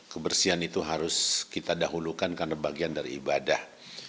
kebersihan itu harus kita dahulukan karena bagian dari ibadah